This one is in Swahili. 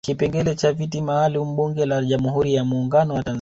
Kipengele cha viti maalum Bunge la Jamhuri ya Muungano wa Tanzania